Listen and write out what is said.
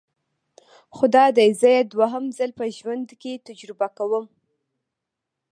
خو دادی زه یې دویم ځل په ژوند کې تجربه کوم.